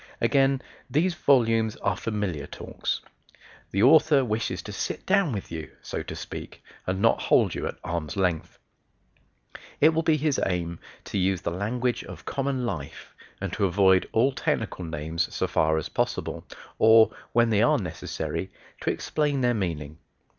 Again: these volumes are "familiar talks." The Author wishes to sit down with you so to speak and not hold you at arm's length. It will be his aim to use the language of common life and to avoid all technical names so far as possible, or, when they are necessary, to explain their meaning.